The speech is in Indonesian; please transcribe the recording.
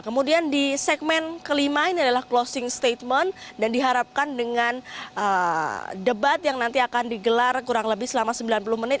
kemudian di segmen kelima ini adalah closing statement dan diharapkan dengan debat yang nanti akan digelar kurang lebih selama sembilan puluh menit